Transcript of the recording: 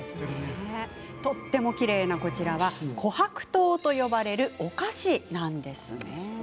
とてもきれいなこちらはこはく糖と呼ばれる、お菓子です。